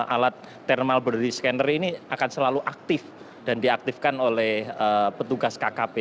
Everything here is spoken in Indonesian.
alat thermal body scanner ini akan selalu aktif dan diaktifkan oleh petugas kkp